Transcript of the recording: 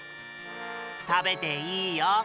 たべていいよ。